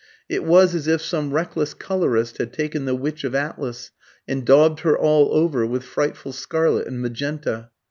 It was as if some reckless colourist had taken the Witch of Atlas and daubed her all over with frightful scarlet and magenta.